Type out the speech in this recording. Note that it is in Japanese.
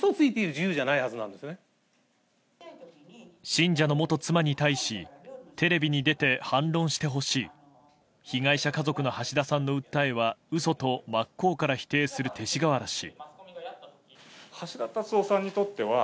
信者の元妻に対しテレビに出て反論してほしい被害者家族の橋田さんの訴えは嘘と真っ向から否定する勅使河原氏。